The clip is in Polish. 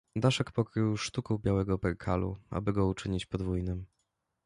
Daszek pokrył sztuką białego perkalu, aby go uczynić podwójnym.